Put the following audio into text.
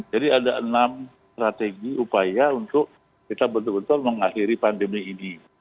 jadi ada enam strategi upaya untuk kita betul betul mengakhiri pandemi ini